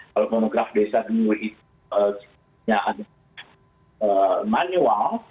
kalau monograf desa dulu itu hanya ada manual